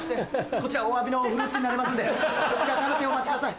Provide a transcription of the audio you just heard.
こちらおわびのフルーツになりますんでこちら食べてお待ちください。